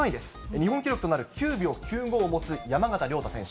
日本記録となる９秒９５を持つ山縣亮太選手。